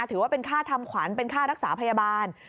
ถือว่าเป็นค่าทำขวัญเป็นค่ารักษาพยาบาล